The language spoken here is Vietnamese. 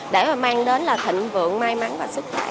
để mà mang đến là thịnh vượng may mắn và sức khỏe